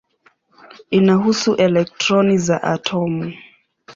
Inahusu elektroni za atomu.